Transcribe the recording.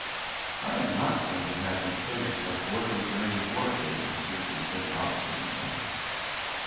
"I am not going to have you kill yourself working for any war baby," Susan said obstinately.